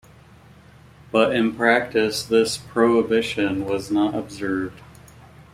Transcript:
But in practice this prohibition was not observed.